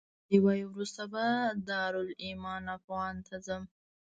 دی وایي وروسته به دارالایمان افغان ته ځم.